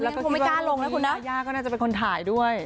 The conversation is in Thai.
แล้วก็คิดว่าอันนี้ยาย่าก็น่าจะเป็นคนถ่ายด้วย